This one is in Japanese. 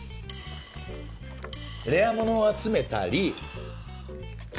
レアものを集めたり。